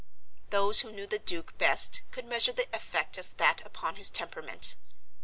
Those who know the Duke best could measure the effect of that upon his temperament.